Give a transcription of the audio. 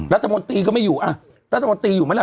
รัฐมนตรีก็ไม่อยู่อ่ะรัฐมนตรีอยู่ไหมล่ะ